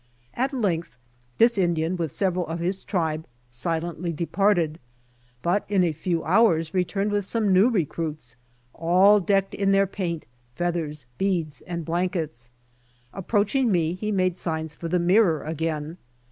At length this Indian with sev eral of his tribe silently departed, but in a few hours returned with some new" recruits, all decked in their paint, feathers, beads, and blankets. Approaching me he made signs for the mirror again.